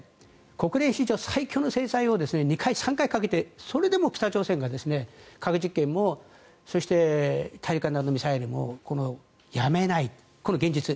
国連史上最強の制裁を２回、３回かけてそれでも北朝鮮が核実験もそして大陸間弾道ミサイルもやめないこの現実。